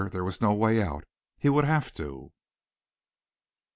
There was no way out. He would have to.